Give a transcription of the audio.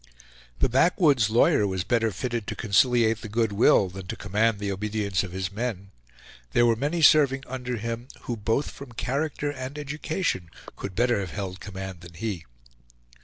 The backwoods lawyer was better fitted to conciliate the good will than to command the obedience of his men. There were many serving under him, who both from character and education could better have held command than he.